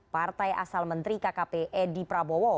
partai asal menteri kkp edi prabowo